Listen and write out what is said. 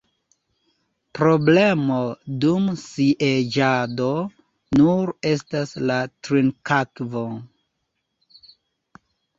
Problemo dum sieĝado nur estas la trinkakvo.